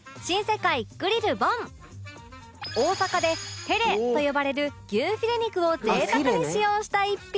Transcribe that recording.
大阪で「ヘレ」と呼ばれる牛フィレ肉を贅沢に使用した一品